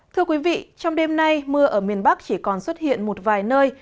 thưa quý vị trong đêm nay mưa ở miền bắc chỉ còn xuất hiện một vài nơi